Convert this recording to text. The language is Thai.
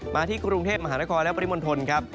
มาที่กรุงเทพมหานครและปริมณฑลครับ